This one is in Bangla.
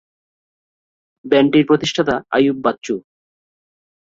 ব্যান্ডটির প্রতিষ্ঠাতা আইয়ুব বাচ্চু।